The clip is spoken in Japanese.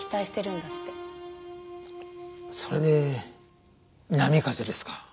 それで波風ですか。